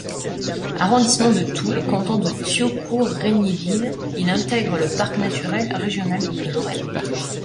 Arrondissement de Toul, canton de Thiaucourt-Regniéville, il intègre le parc naturel régional de Lorraine.